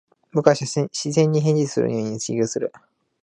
僕は視線に返事をするようにお辞儀をする。